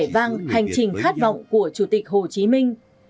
vang hành trình khát vọng của chủ tịch hồ chí minh